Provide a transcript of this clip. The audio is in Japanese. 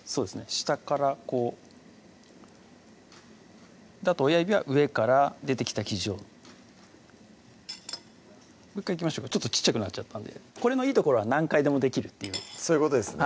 下からこうあと親指は上から出てきた生地をもう１回いきましょうか小っちゃくなっちゃったんでこれのいいところは何回でもできるっていうそういうことですね